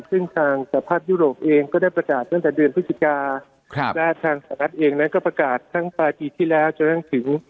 ซึ่งทางสภาพยุโรปเองก็ได้ประกาศตั้งแต่เดือนพฤศจิกาและทางสหรัฐเองนั้นก็ประกาศทั้งปลายปีที่แล้วจนกระทั่งถึง